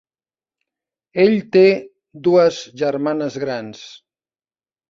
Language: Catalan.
Ell té dues germanes grans.